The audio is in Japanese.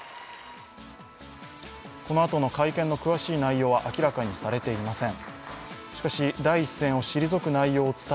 このあとの会見の詳しい内容は明らかにされていません。